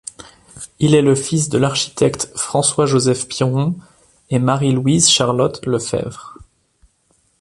Il est le fils de l’architecte François-Joseph Piron et Marie-Louise-Charlotte Lefebvre.